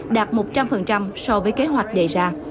đạt một trăm linh so với kế hoạch đề ra